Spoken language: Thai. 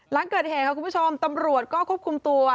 หลังเกิดเหตุค่ะคุณผู้ชมตำรวจก็ควบคุมตัว